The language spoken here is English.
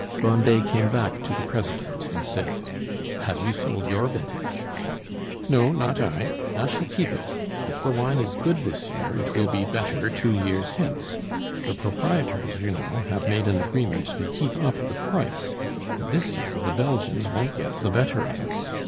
Grandet came back to the president and said, "Have you sold your vintage?" "No, not I; I shall keep it. If the wine is good this year, it will be better two years hence. The proprietors, you know, have made an agreement to keep up the price; and this year the Belgians won't get the better of us.